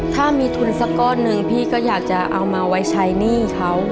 ถ้ามีทุนสักก้อนหนึ่งพี่ก็อยากจะเอามาไว้ใช้หนี้เขา